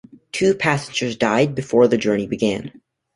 Two passengers died before the journey began.